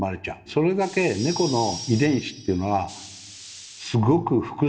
それだけ猫の遺伝子っていうのはすごく複雑なんですね。